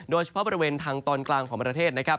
โดยเฉพาะบริเวณทางตอนกลางของประเทศนะครับ